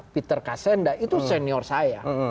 peter kassenda itu senior saya